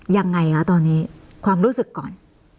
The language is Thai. ยังไงคะตอนนี้ความรู้สึกก่อน